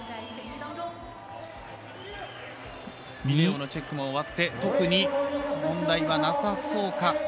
ビデオのチェックも終わって特に問題はなさそうか。